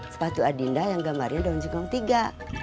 sepatu adinda yang gambarnya daun singkong tiga